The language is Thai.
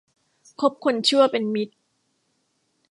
คบคนชั่วเป็นมิตร